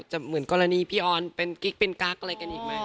เหมือนกรณีพี่ออนเป็นกิ๊กเป็นกั๊กอะไรกันอีกไหม